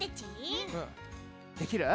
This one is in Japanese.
できる？